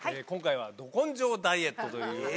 今回は「ど根性ダイエット」という。